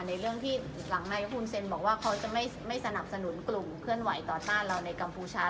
ในเรื่องที่หลังนายกคุณเซ็นบอกว่าเขาจะไม่สนับสนุนกลุ่มเคลื่อนไหวต่อต้านเราในกัมพูชา